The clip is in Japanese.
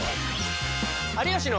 「有吉の」。